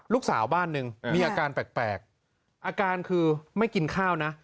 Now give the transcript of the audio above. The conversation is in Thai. ลูกสาวบ้านหนึ่งมีอาการแปลกอาการคือไม่กินข้าวนะ